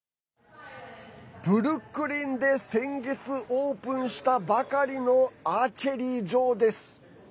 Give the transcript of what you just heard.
ブルックリンで先月オープンしたばかりのアーチェリー場です。